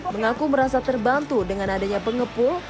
mengaku merasa terbantu dengan adanya pengepul